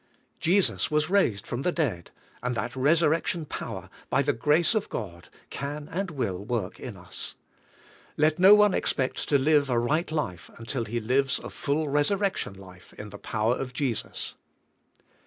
Jesus was raised from the dead, and that resurrection power, by the grace of God, can and will work in us. Let no one expect to live a right life until he lives a full resurrection life in the power of Jesus.